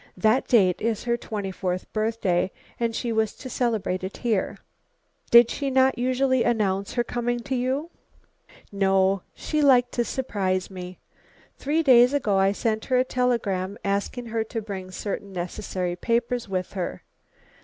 That date is her twenty fourth birthday and she was to celebrate it here." "Did she not usually announce her coming to you?" "No, she liked to surprise me. Three days ago I sent her a telegram asking her to bring certain necessary papers with her.